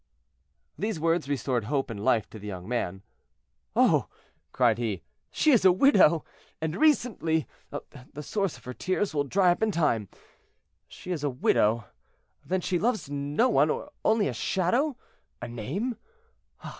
These words restored hope and life to the young man. "Oh!" cried he, "she is a widow, and recently; the source of her tears will dry up in time. She is a widow, then she loves no one, or only a shadow—a name.